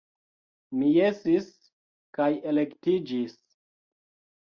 Mi jesis, kaj elektiĝis.